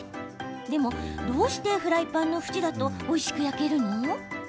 でも、どうしてフライパンの縁だとおいしく焼けるの？